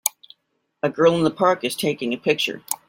A girl in the park is taking a picture.